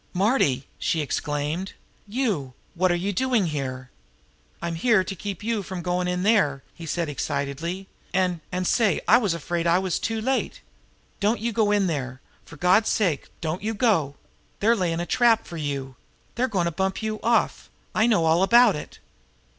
"Marty!" she exclaimed. "You! What are you doing here?" "I'm here to keep you from goin' in there!" he answered excitedly. "And and, say, I was afraid I was too late. Don't you go in there! For God's sake, don't you go! They're layin' a trap for you! They're goin' to bump you off! I know all about it!"